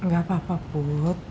gak apa apa put